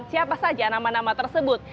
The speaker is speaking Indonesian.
siapa saja nama nama tersebut